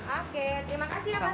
oke terima kasih ya pak